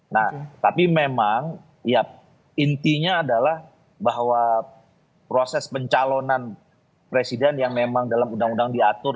nah tapi memang ya intinya adalah bahwa proses pencalonan presiden yang memang dalam undang undang diatur